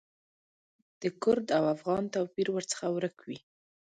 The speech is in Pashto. د کرد او افغان توپیر ورڅخه ورک وي.